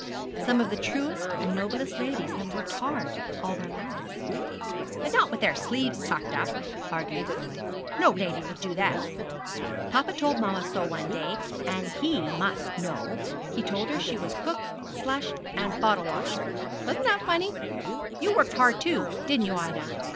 'Some of the truest and noblest ladies have worked hard all their lives.' 'But not with their sleeves tucked up,' argued the boy; 'no lady would do that. Papa told mamma so one day, and he must know. He told her she was cook, slush, and bottle washer. Wasn't that funny? You worked hard too, didn't you, Ida?'